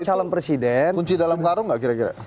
calon presiden kunci dalam karung nggak kira kira